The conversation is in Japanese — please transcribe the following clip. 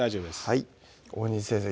はい大西先生